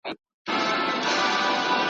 دوو وروڼو جنګ وکړ، کم عقلو باور په وکړ `